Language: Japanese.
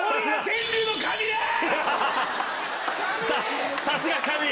さすが神！